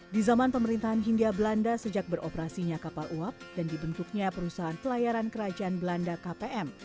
di zaman pemerintahan hindia belanda sejak beroperasinya kapal uap dan dibentuknya perusahaan pelayaran kerajaan belanda kpm